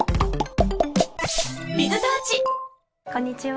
こんにちは。